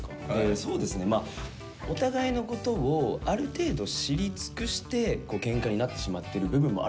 そうですねお互いのことをある程度知り尽くしてケンカになってしまってる部分もあると思うんですよ。